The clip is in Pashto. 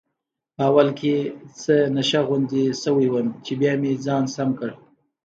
په اول کې څه نشه غوندې شوی وم، چې بیا مې ځان سم کړ.